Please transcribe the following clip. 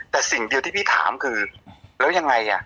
แต่สิ่งเดียวที่พี่ถามคือแล้วยังไงอ่ะ